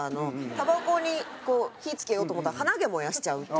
たばこに火つけようと思ったら鼻毛燃やしちゃうっていう。